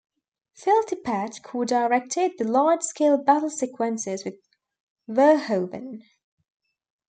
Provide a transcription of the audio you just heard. Phil Tippett co-directed the large-scale battle sequences with Verhoeven.